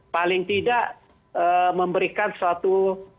paling tidak memberikan suatu